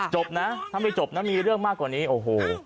จบนะถ้าไม่จบนะมีเรื่องมากกว่านี้โอ้โห